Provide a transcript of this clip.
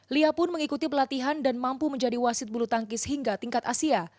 lia pun mengikuti pelatihan dan mampu menjadi wasit bulu tangkis hingga tingkat asia